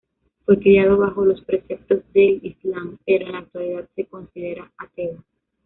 Fue criado bajo los preceptos del Islam, pero en la actualidad se considera ateo.